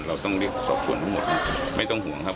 เราต้องเรียกสอบส่วนทั้งหมดไม่ต้องห่วงครับ